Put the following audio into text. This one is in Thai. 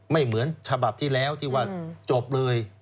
เหมือนฉบับที่แล้วที่ว่าจบเลย